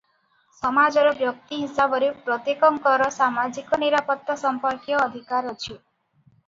ସମାଜର ବ୍ୟକ୍ତି ହିସାବରେ ପ୍ରତ୍ୟେକଙ୍କର ସାମାଜିକ ନିରାପତ୍ତା ସମ୍ପର୍କୀୟ ଅଧିକାର ଅଛି ।